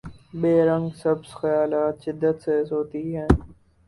be رنگ سبز خیالات شدت سے سوتی ہیں